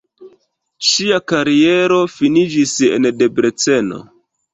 Ŝia kariero finiĝis en Debreceno.